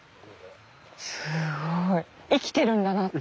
すごい生きているんだなって。